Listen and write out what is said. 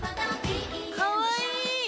かわいい！